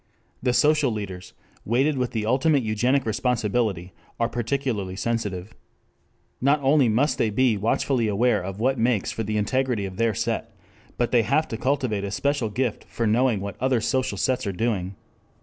The social leaders, weighted with the ultimate eugenic responsibility, are peculiarly sensitive. Not only must they be watchfully aware of what makes for the integrity of their set, but they have to cultivate a special gift for knowing what other social sets are doing.